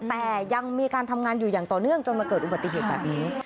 แต่ยังมีการทำงานอยู่อย่างต่อเนื่องจนมาเกิดอุบัติเหตุแบบนี้